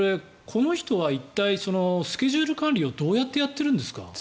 この人はスケジュール管理をどうやっているんですか。